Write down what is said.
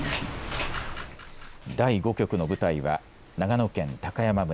第５局の舞台は長野県高山村。